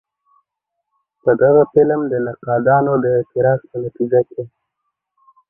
په غه فلم د نقادانو د اعتراض په نتيجه کښې